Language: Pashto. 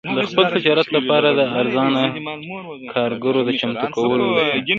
د خپل تجارت لپاره د ارزانه کارګرو د چمتو کولو لپاره.